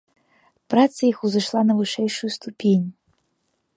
Праца іх узышла на вышэйшую ступень.